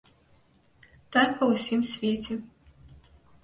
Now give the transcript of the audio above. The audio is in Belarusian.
Так ва ўсім свеце.